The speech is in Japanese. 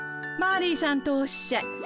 「マリーさん」とおっしゃい。